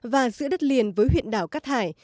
và giữa đất liền với huyện đảo cát hải